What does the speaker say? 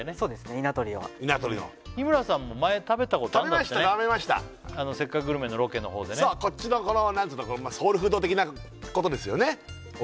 稲取は日村さんも前食べたことあんだってね食べました食べました「せっかくグルメ！！」のロケのほうでねそうこっちのこの何つうのソウルフード的なことですよね